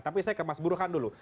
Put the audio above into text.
tapi saya ke mas buruhan dulu